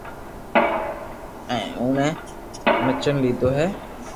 ھين اوڻي ئچن ليدو ھي